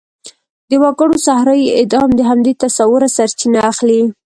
د وګړو صحرايي اعدام د همدې تصوره سرچینه اخلي.